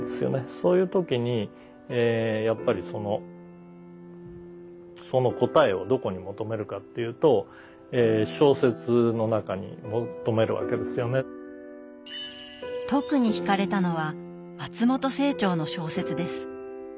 そういう時にやっぱりそのその答えをどこに求めるかというと特にひかれたのは松本清張の小説です。